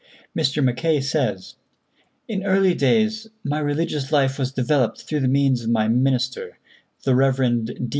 Mr. Mackay says: "In early days my religious life was developed through the means of my minister, the Rev. D.